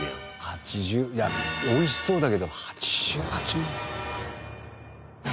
８０いや美味しそうだけど８８万。